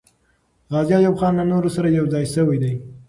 غازي ایوب خان له نورو سره یو ځای سوی دی.